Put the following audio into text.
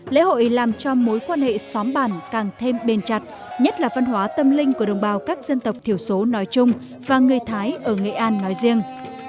lễ hội làm cho mối quan hệ xóm bản càng thêm bền chặt nhất là văn hóa tâm linh của đồng bào các dân tộc thiểu số nói chung và người thái ở nghệ an nói riêng